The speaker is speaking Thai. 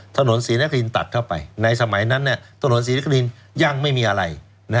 ถนนศรีนครินตัดเข้าไปในสมัยนั้นถนนศรีนครินยังไม่มีอะไร